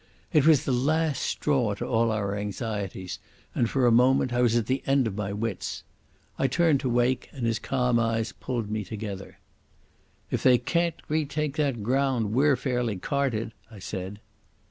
It was the last straw to all our anxieties, and for a moment I was at the end of my wits. I turned to Wake, and his calm eyes pulled me together. "If they can't retake that ground, we're fairly carted," I said.